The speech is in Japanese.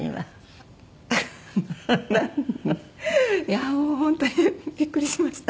いやあもう本当にビックリしました。